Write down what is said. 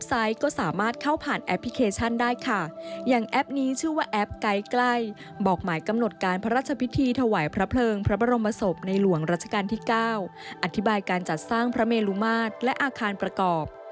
ในใกล้บอกหมายกำหนดการพระราชพิธีถวายพระเพลิงพระบรมศพในหลวงราชการที่๙อธิบายการจัดสร้างพระเมลุมาตและอาคารประกอบ